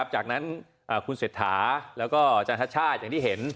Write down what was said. จากนั้นคุณเสถาและก็ท่าชาติอย่างที่เห็น